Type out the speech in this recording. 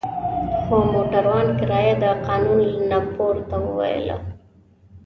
خو موټروان کرایه د قانون نه پورته وویله.